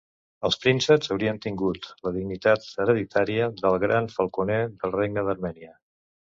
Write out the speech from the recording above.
Els prínceps haurien tingut la dignitat hereditària de Gran Falconer del Regne d'Armènia.